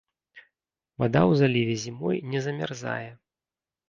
Вада ў заліве зімой не замярзае.